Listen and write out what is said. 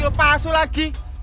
yul pasu lagi